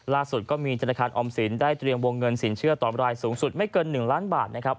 ล่าสุดก็มีธนาคารออมสินได้เตรียมวงเงินสินเชื่อต่อรายสูงสุดไม่เกิน๑ล้านบาทนะครับ